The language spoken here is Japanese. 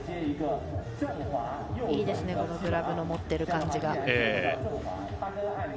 いいですねグラブの持っている感じが。